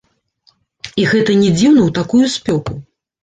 І гэта не дзіўна ў такую спёку!